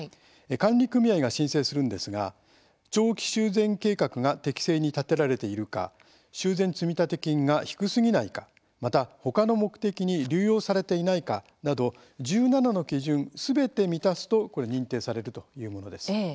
管理組合が申請するんですが長期修繕計画が適正に立てられているか修繕積立金が低すぎないかまた、他の目的に流用されていないかなど１７の基準すべて満たすと認定されるというものです。